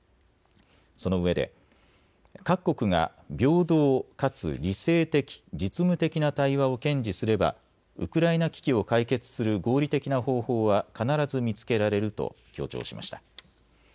そのうえで各国が平等かつ理性的、実務的な対話を堅持すればウクライナ危機を解決する合理的な方法は必ず見つけられると強調しました。